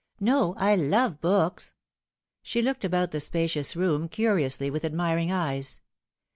"No, I love books." She looked about the spacious room, curiously, with admir ing eyes.